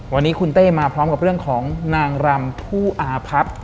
วันนี้คุณเต้มาพร้อมกับเรื่องของนางรำผู้อาพับ